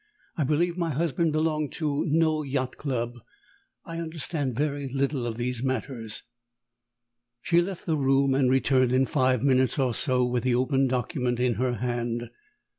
I believe my husband belonged to no Yacht Club. I understand very little of these matters." She left the room, and returned in five minutes or so with the open document in her hand.